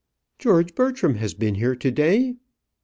"George Bertram has been here to day?"